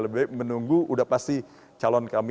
lebih baik menunggu sudah pasti calon kami